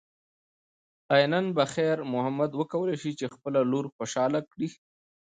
ایا نن به خیر محمد وکولی شي چې خپله لور خوشحاله کړي؟